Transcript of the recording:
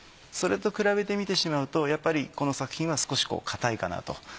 それと比べて見てしまうとやっぱりこの作品は少し硬いかなと。